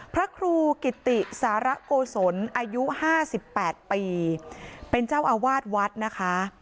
พระครูกิติสาระโกศลอายุ๕๘ปีเป็นเจ้าอาวาสวัดนะคะ